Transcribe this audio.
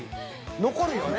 残るよね。